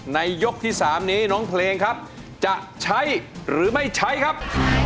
ยกที่๓นี้น้องเพลงครับจะใช้หรือไม่ใช้ครับ